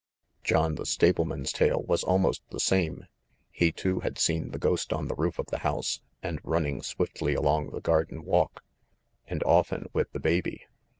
John the stableman's tale was almost the same. He, too, had seen the ghost on the roof of the house, and running swiftly along the garden walk, and often with the baby.